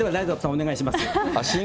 お願いします。